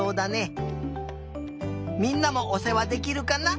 みんなもおせわできるかな？